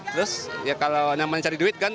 terus ya kalau namanya cari duit kan